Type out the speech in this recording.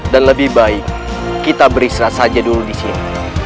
dan lebih baik kita beristirahat saja dulu di sini